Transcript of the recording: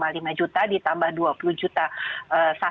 jadi ini yang menjadi penting bahwa kita harus segera mencari penyelenggaraan